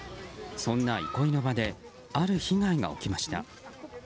そんな憩いの場である被害が起きました。